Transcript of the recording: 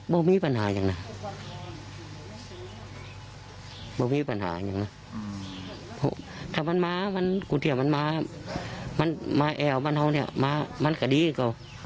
ไม่มีปัญหาอย่างนั้นถ้ามันมามันกูเทียมมันมามันมาแอวมันเอาเนี่ยมามันกระดีกว่า